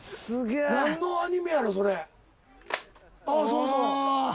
そうそう。